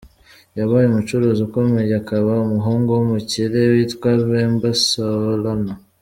Yabaye umucuruzi ukomeye akaba umuhungu w’umukire witwa Bemba Saolona.